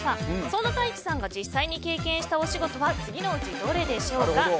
そんなタイチさんが実際に経験したお仕事は次のうちどれでしょうか。